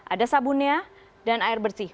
ada sabunnya dan air bersih